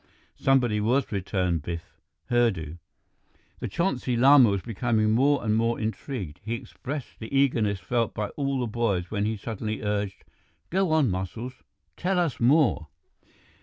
"Somebody was," returned Biff. "Hurdu." The Chonsi Lama was becoming more and more intrigued. He expressed the eagerness felt by all the boys when he suddenly urged, "Go on, Muscles, tell us more!"